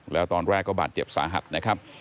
แล้วตอนแรกก็บาดเจ็บสาหัสนะครับ